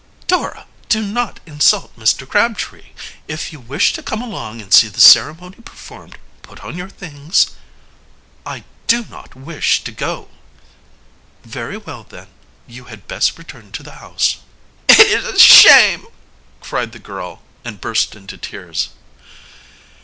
"Dora, do not insult Mr. Crabtree. If you wish to come along and see the ceremony performed, put on your things...." "I do not wish to go." "Very well, then; you had best return to the house." "It is a shame!" cried the girl, and burst into tears.